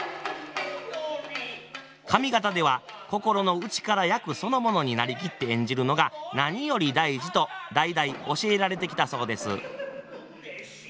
上方では心の内から役そのものに成りきって演じるのが何より大事と代々教えられてきたそうです。